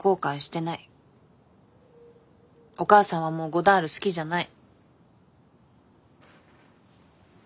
お母さんはもうゴダール好きじゃない。